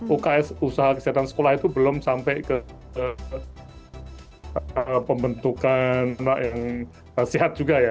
uks usaha kesehatan sekolah itu belum sampai ke pembentukan yang sehat juga ya